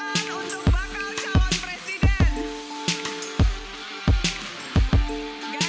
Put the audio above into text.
kita tepuk tangan untuk bakal calon presiden